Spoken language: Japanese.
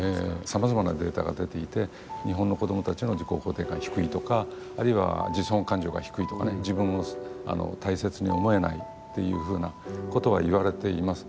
さまざまなデータが出ていて日本の子どもたちの自己肯定感、低いとかあるいは自尊感情が低いとかね自分を大切に思えないってことは言われています。